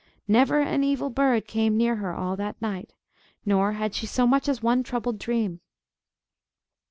Never an evil bird came near her all that night, nor had she so much as one troubled dream.